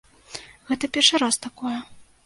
Гэта першы раз такое.